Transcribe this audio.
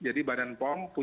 jadi badan pom punya otomatis